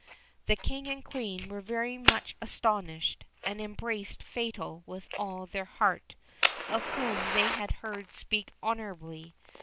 The King and Queen were very much astonished, and embraced Fatal with all their heart, of whom they had heard speak honourably.